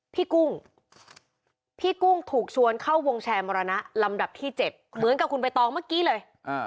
กุ้งพี่กุ้งถูกชวนเข้าวงแชร์มรณะลำดับที่๗เหมือนกับคุณใบตองเมื่อกี้เลย